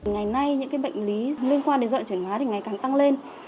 ngày nay những bệnh lý liên quan đến dưỡng loạn chuyển hóa thì ngày càng tăng lên